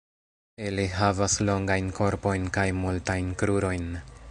Ili havas longajn korpojn kaj multajn krurojn.